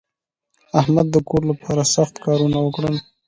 احمد د کور لپاره سخت کارونه وکړل.